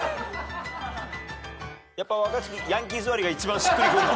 やっぱ若槻ヤンキー座りが一番しっくりくる。